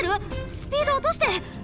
スピードおとして！